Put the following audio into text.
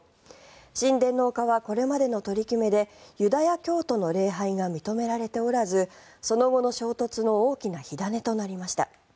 神殿の丘はこれまでの取り決めでユダヤ教徒の礼拝が認められておらずその後の衝突の大きな火種となりました。